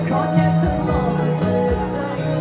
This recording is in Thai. ขอแค่เธอลอง